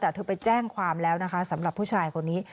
แต่เธอไปแจ้งความแล้วนะคะสำหรับผู้ชายคนนี้